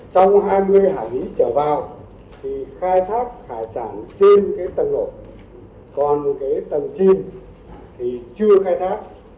trong hai mươi hải lý trở vào thì khai thác hải sản trên tầng nổi còn tầng chim thì chưa khai thác